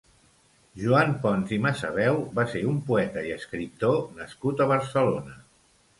Joan Pons i Massaveu va ser un poeta i escriptor nascut a Barcelona.